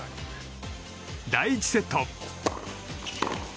第１セット。